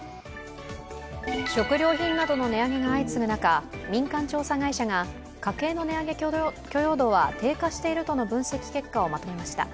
食料品などの値上げが相次ぐ中民間調査会社が、家計の値上げ許容度は低下しているとの分析結果をまとめました。